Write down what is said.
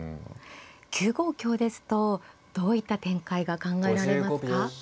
９五香ですとどういった展開が考えられますか。